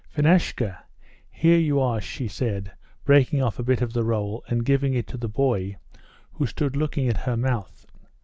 "Finashka, here you are," she said, breaking off a bit of the roll and giving it to the boy, who stood looking at her mouth.